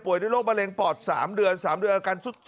ป่วยด้วยโรคมะเร็งปอด๓เดือน๓เดือนกัน